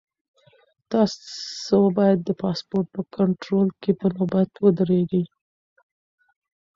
تاسو باید د پاسپورټ په کنټرول کې په نوبت کې ودرېږئ.